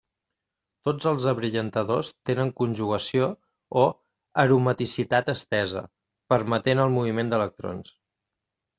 Tots els abrillantadors tenen conjugació o aromaticitat estesa, permetent el moviment d'electrons.